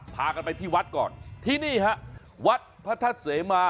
พากันไปที่วัดก่อนที่นี่ฮะวัดพระทัศน์เสมา